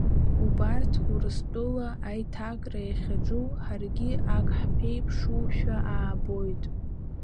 Убарҭ, Урыстәыла аиҭакра иахьаҿу, ҳаргьы ак ҳԥеиԥшушәа аабоит.